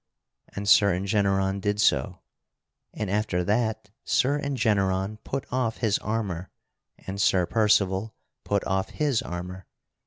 And Sir Engeneron did so. And after that Sir Engeneron put off his armor, and Sir Percival put off his armor.